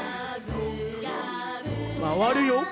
まわるよ。